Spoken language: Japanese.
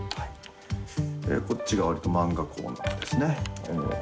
こっちが漫画コーナーですね。